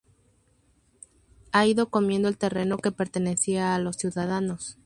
ha ido comiendo el terreno que pertenecía a los ciudadanos